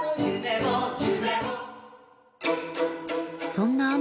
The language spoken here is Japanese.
そんな亞